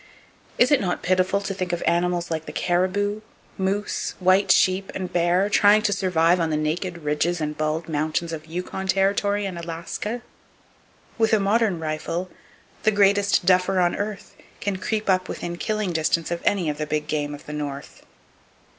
Is it not pitiful to think of animals like the caribou, moose, white sheep and bear trying to survive on the naked ridges and bald mountains of Yukon Territory and Alaska! With a modern rifle, the greatest duffer on earth can creep up within killing distance of any of the big game of the North.